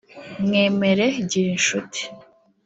Mwemere Ngirishuti